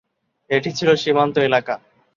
এটি ছিলো সীমান্ত এলাকা।